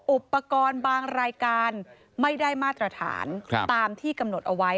อุปกรณ์บางรายการไม่ได้มาตรฐานตามที่กำหนดเอาไว้